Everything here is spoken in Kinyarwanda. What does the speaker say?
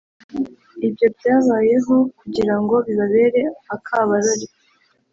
Ibyo byabayeho kugira ngo bibabere akabarore